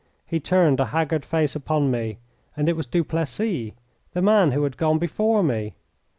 He turned a haggard face upon me, and it was Duplessis, the man who had gone before me.